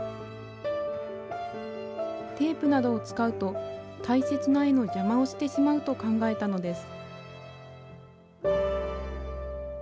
テープなどを使うと大切な絵の邪魔をしてしまうと考えたのです